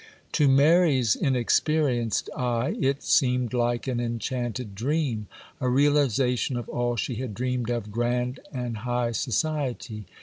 To Mary's inexperienced eye it seemed like an enchanted dream,—a realization of all she had dreamed of grand and high society.